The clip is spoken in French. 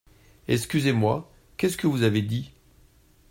Excusez-moi, qu’est-ce que vous avez dit ?